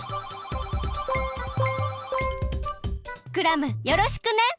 クラムよろしくね！